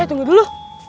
eh tunggu dulu